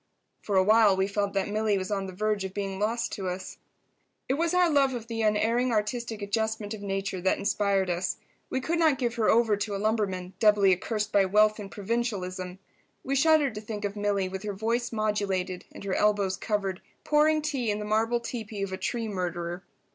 For a while we felt that Milly was on the verge of being lost to us. It was our love of the Unerring Artistic Adjustment of Nature that inspired us. We could not give her over to a lumberman, doubly accursed by wealth and provincialism. We shuddered to think of Milly, with her voice modulated and her elbows covered, pouring tea in the marble teepee of a tree murderer.